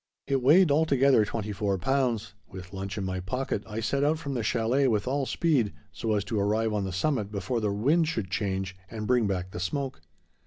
It weighed altogether twenty four pounds. With lunch in my pocket, I set out from the chalet with all speed, so as to arrive on the summit before the wind should change and bring back the smoke.